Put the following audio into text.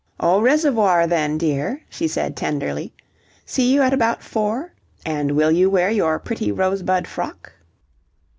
... "Au reservoir then, dear," she said tenderly. "See you at about four? And will you wear your pretty rosebud frock?"